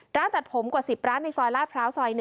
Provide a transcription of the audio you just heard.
ร้านตัดผมกว่า๑๐ร้านในซอยลาดพร้าวซอย๑